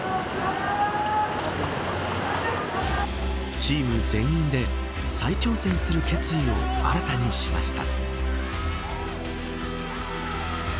チーム全員で再挑戦する決意を新たにしました。